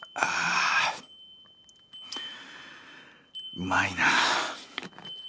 うまいな。